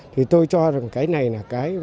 thì tôi cho rằng cái này là cái